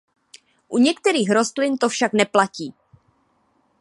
U některých rostlin to však neplatí.